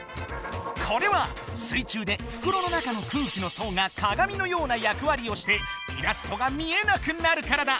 これは水中でふくろの中の空気のそうがかがみのようなやくわりをしてイラストが見えなくなるからだ。